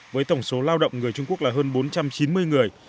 với tổng số lao động người trung quốc là hơn bốn trăm chín mươi người